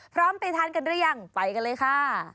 พร้อมไปทานกันหรือยังไปกันเลยค่ะ